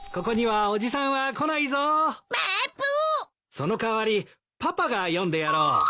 その代わりパパが読んでやろう。